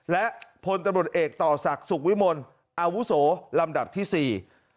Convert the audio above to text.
และพลตำรวจเอกต่อศักดิ์สุขวิมลอาวุโสลำดับที่สี่